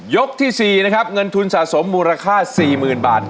ที่๔นะครับเงินทุนสะสมมูลค่า๔๐๐๐บาท